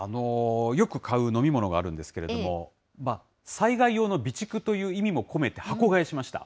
よく買う飲み物があるんですけれども、災害用の備蓄という意味も込めて箱買いしました。